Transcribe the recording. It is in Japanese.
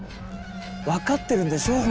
分かってるんでしょう？